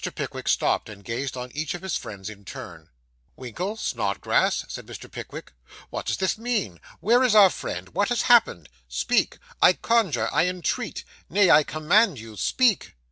Pickwick stopped, and gazed on each of his friends in turn. 'Winkle Snodgrass,' said Mr. Pickwick; 'what does this mean? Where is our friend? What has happened? Speak I conjure, I entreat nay, I command you, speak.